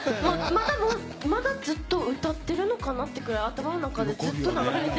またずっと歌ってるのかってぐらい、頭の中でずっと流れて